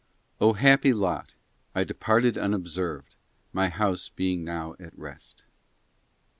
©O nappy lot! I departed unobserved; my house being now g at rest.